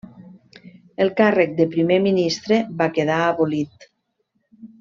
El càrrec de primer ministre va quedar abolit.